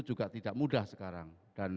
juga tidak mudah sekarang